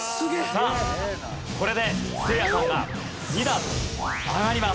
さあこれでせいやさんが２段上がります。